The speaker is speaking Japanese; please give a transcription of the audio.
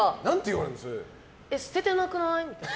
え、捨ててなくない？みたいな。